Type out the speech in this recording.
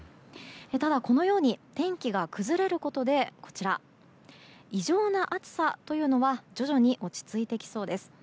ただ、このように天気が崩れることで異常な暑さというのは徐々に落ち着いてきそうです。